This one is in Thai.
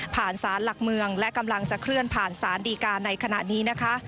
สารหลักเมืองและกำลังจะเคลื่อนผ่านสารดีการในขณะนี้นะคะ